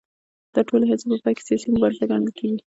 دا ټولې هڅې په پای کې سیاسي مبارزه ګڼل کېږي